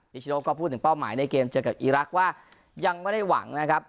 ชโนก็พูดถึงเป้าหมายในเกมเจอกับอีรักษ์ว่ายังไม่ได้หวังนะครับ